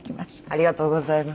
ありがとうございます。